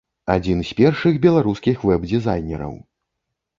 Адзін з першых беларускіх вэб-дызайнераў.